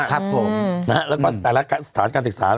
แล้วก็แต่ละสถานการศึกษา